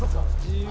自由。